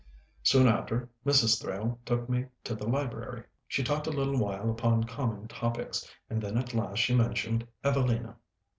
Soon after, Mrs. Thrale took me to the library; she talked a little while upon common topics, and then at last she mentioned 'Evelina.'